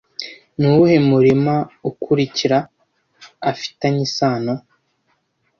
Nuwuhe murima ukurikiraafitanye isano